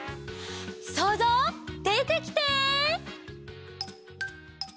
そうぞうでてきて！